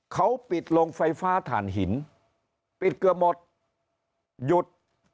เขาปิดโรงไฟฟ้าถ่านหินปิดเกือบหมดหยุด